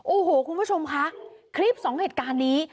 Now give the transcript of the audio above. โอ้โหคุณผู้ชมคะคลิปสองเหตุการณ์นี้